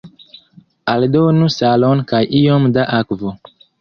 Aldonu salon kaj iom da akvo.